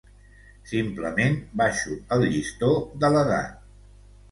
Simplement, baixo el llistó de l’edat.